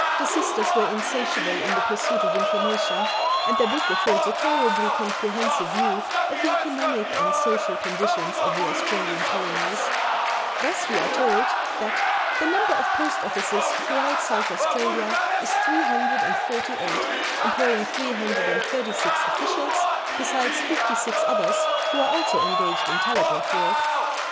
The sisters were insatiable in the pursuit of information, and their book affords a tolerably comprehensive view of the economic and social conditions of the Australian colonies. Thus, we are told that "the number of post offices throughout South Australia is 348, employing 336 officials, besides fifty six others, who are also engaged in telegraph work.